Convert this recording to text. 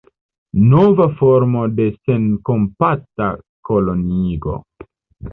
Nova formo de senkompata koloniigo.